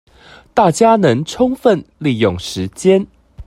大家能充分利用時間